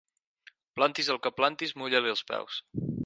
Plantis el que plantis, mulla-li els peus.